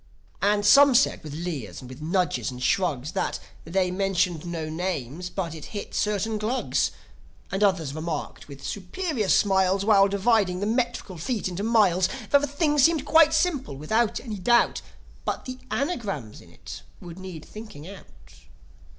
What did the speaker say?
And some said with leers and with nudges and shrugs That, they mentioned no names, but it hit certain Glugs. And others remarked, with superior smiles, While dividing the metrical feet into miles, That the thing seemed quite simple, without any doubt, But the anagrams in it would need thinking out.